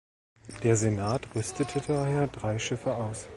Der Senat rüstete daher drei Schiffe aus.